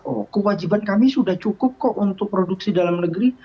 oh kewajiban kami sudah cukup kok untuk produksi dalam negeri